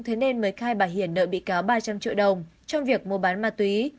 thế nên mới khai bà hiển nợ bị cáo ba trăm linh triệu đồng trong việc mua bán ma túy